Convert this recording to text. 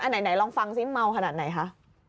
ไหนลองฟังซิเมาขนาดไหนคะ